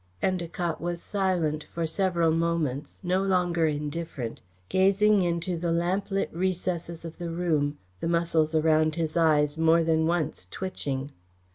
Endacott was silent for several moments, no longer indifferent, gazing into the lamplit recesses of the room, the muscles around his eyes more than once twitching.